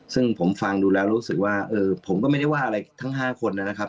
ซึ่งผมฟังดูแล้วรู้สึกว่าผมก็ไม่ได้ว่าอะไรทั้ง๕คนนะครับ